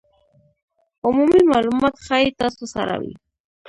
عمومي مالومات ښایي تاسو سره وي